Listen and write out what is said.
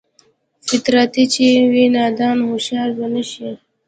فطرتي چې وي نادان هوښيار به نشي